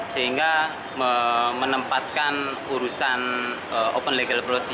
sehingga menempatkan urusan open legal policy